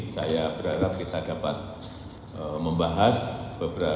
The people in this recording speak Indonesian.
saya berharap kita dapat membahas beberapa hal